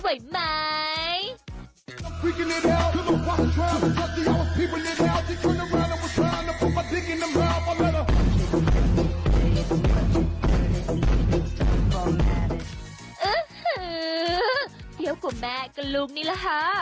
อื้อหือเทียบของแม่กับลูกนี้ล่ะฮะ